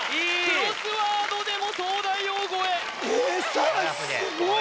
クロスワードでも東大王超ええっすごい！